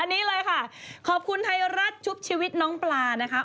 อันนี้เลยค่ะขอบคุณไทยรัฐชุบชีวิตน้องปลานะคะ